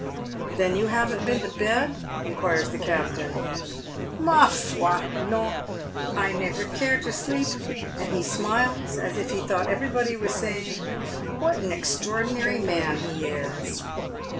■ Then you haven't been' to bed ?" inquires the captain. " Ma foi, non. I never care to sleep ;" and he smiles as if he thought everybody was saying, "What an extraordinary man he is